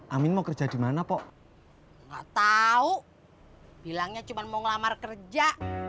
amin mau kerja di mana kok nggak tahu bilangnya cuma mau ngelamar kerja